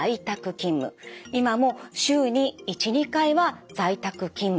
今も週に１２回は在宅勤務。